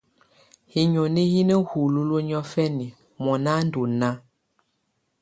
Hinoni hi ná hululuǝ́ niɔ̀fɛna mɔ́ná á ndɔ́ náá.